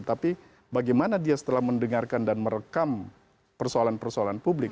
tapi bagaimana dia setelah mendengarkan dan merekam persoalan persoalan publik